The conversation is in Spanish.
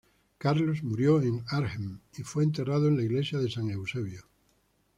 Carlos murió en Arnhem, y fue enterrado en la Iglesia de San Eusebio.